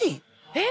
えっ？